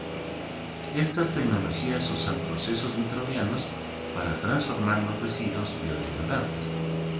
Estas tecnologías usan procesos microbianos para transformar los residuos biodegradables.